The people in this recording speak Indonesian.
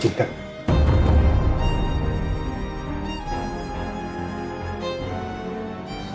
saya mengambil reaksi